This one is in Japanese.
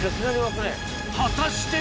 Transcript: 果たして？